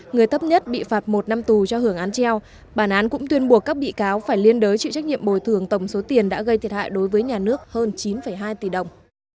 người thấp nhất bị phạt một năm tù cho hưởng án treo bản án cũng tuyên buộc các bị cáo phải liên đối chịu trách nhiệm bồi thường tổng số tiền đã gây thiệt hại đối với nhà nước hơn chín hai tỷ đồng